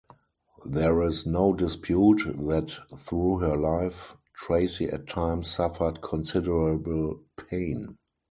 There is no dispute that through her life, Tracy at times suffered considerable pain.